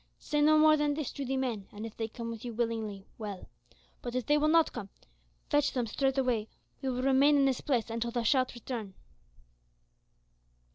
Say no more than this to the men, and if they come with you willingly, well, but if they will not come, then fetch them straightway. We will remain in this place until thou shalt return."